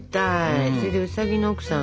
それでウサギのおくさん